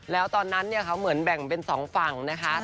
แล้วตอนนั้นเนี่ยเขาเหมือนแบ่งเป็นสองฝั่งนะคะ